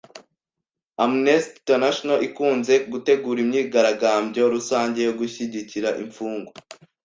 Amnesty International ikunze gutegura imyigaragambyo rusange yo gushyigikira imfungwa